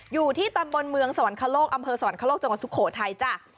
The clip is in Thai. อยู่ที่ตำบลเมืองสวรรคโลกอำเภอสวรรคโลกจังหวัดสุโขทัยจ้ะ